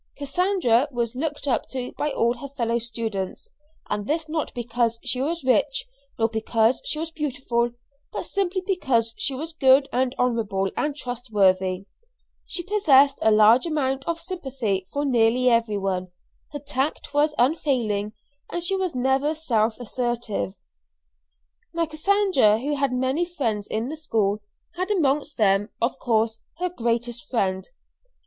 Cassandra was looked up to by all her fellow students, and this not because she was rich, nor because she was beautiful, but simply because she was good and honorable and trustworthy; she possessed a large amount of sympathy for nearly every one, her tact was unfailing, and she was never self assertive. Now Cassandra, who had many friends in the school, had amongst them, of course, her greatest friend.